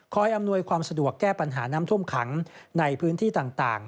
อำนวยความสะดวกแก้ปัญหาน้ำท่วมขังในพื้นที่ต่าง